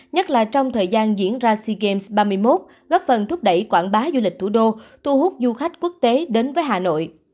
nhất là trong thời gian diễn ra sea games ba mươi một góp phần thúc đẩy quảng bá du lịch thủ đô thu hút du khách quốc tế đến với hà nội